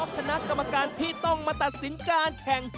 คณะกรรมการที่ต้องมาตัดสินการแข่ง